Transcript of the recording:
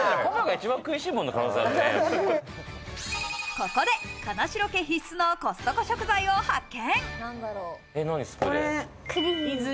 ここで金城家必須のコストコ食材を発見。